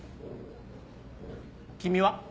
君は？